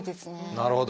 なるほど。